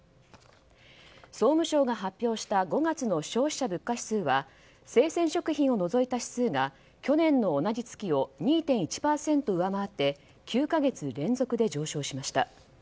総務省が発表した５月の消費者物価指数は生鮮食品を除いた指数が去年の同じ月を２．１％上回って９か月連続で上昇しました。